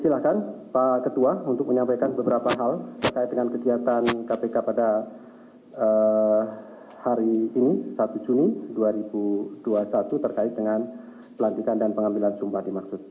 silahkan pak ketua untuk menyampaikan beberapa hal terkait dengan kegiatan kpk pada hari ini satu juni dua ribu dua puluh satu terkait dengan pelantikan dan pengambilan sumpah dimaksud